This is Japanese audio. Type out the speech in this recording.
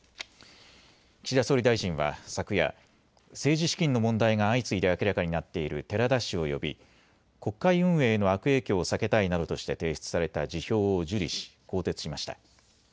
岸田総理大臣は昨夜、政治資金の問題が相次いで明らかになっている寺田氏を呼び国会運営への悪影響を避けたいなどとして提出された辞表を受理し更迭しました。